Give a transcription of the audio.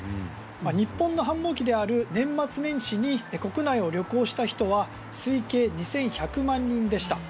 日本の繁忙期である年末年始に国内を旅行した人は推計２１００万人でした。